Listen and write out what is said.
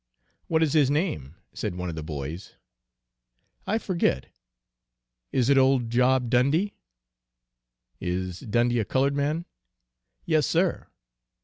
"What is his name?" said one of the boys. "I forget." "Is it old Job Dundy?" "Is Dundy a colored man?" "Yes, sir."